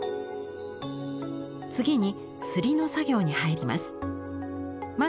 次に刷りの作業に入ります。